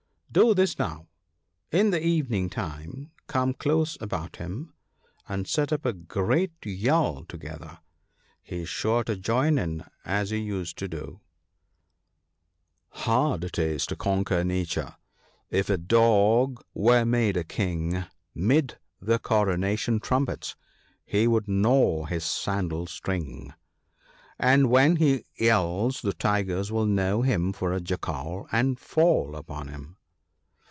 Do this, now !— in the evening time come close about him, and set up a great yell together — he is sure to join in ( 8? ), as he used to do, —" Hard it is to conquer nature : if a dog were made a King, Mid the coronation trumpets he would gnaw his sandal string." And when he yells the Tigers will know him for a Jackal and fall upon him.'